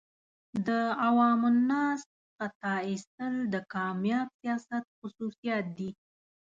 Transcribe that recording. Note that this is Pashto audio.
د عوام الناس خطا ایستل د کامیاب سیاست خصوصیات دي.